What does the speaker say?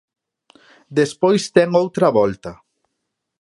Despois ten outra volta.